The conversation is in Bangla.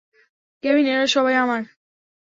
কেভিন, এরা সবাই আমার।